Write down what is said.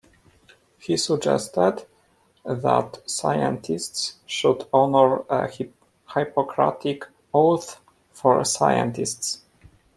He suggested that scientists should honour a Hippocratic Oath for Scientists.